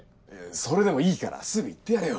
それでもいいからすぐ行ってやれよ！